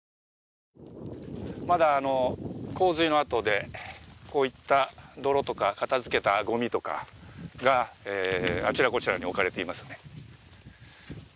まだ洪水のあとでこういった泥とか片づけたごみとかが、あちらこちらに置かれていますね。